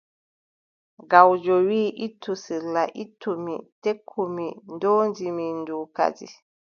Gawjo wii, ittu sirla ittu mi, tekku mi ndoodi mi ndu kadi.